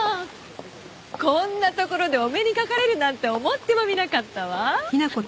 こんな所でお目にかかれるなんて思ってもみなかったわ。